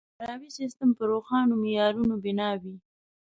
د غوراوي سیستم په روښانو معیارونو بنا وي.